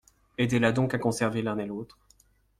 Aidez-la donc à conserver l’un et l’autre.